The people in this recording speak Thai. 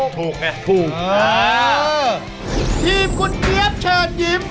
ถูกไหมถูกอ๋อพี่คุณเฮียบเชิญยิ้ม